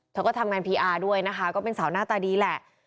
เธอก็ทำงานพีอาร์ด้วยนะคะก็เป็นสาวหน้าตาดีแหละ